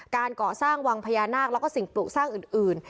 การก่อสร้างวังพญานาคและสิ่งปลูกสร้างอื่น